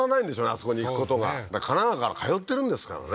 あそこに行くことが神奈川から通ってるんですからね